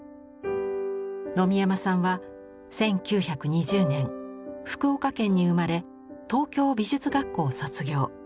野見山さんは１９２０年福岡県に生まれ東京美術学校を卒業。